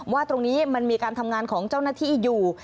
ว่าตรงนี้มันมีการทำงานของเจ้าหน้าที่อยู่